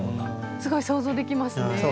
すごい想像できますね。